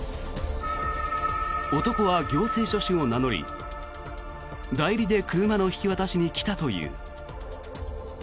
男は行政書士を名乗り、代理で車の引き渡しに来たという。